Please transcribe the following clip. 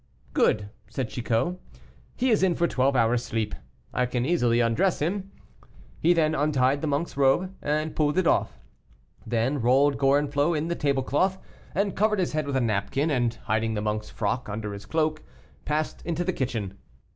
"Good," said Chicot, "he is in for twelve hours sleep. I can easily undress him." He then untied the monk's robe, and pulled it off; then rolled Gorenflot in the tablecloth, and covered his head with a napkin, and hiding the monk's frock under his cloak, passed into the kitchen.